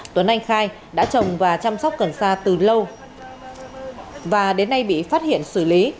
tuấn anh khai đã trồng và chăm sóc cần sa từ lâu và đến nay bị phát hiện xử lý